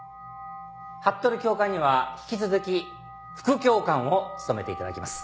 服部教官には引き続き副教官を務めていただきます。